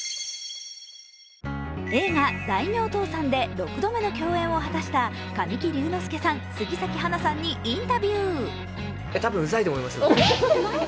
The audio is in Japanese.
映画「大名倒産」で６度目の共演を果たした神木隆之介さん、杉咲花さんにインタビュー。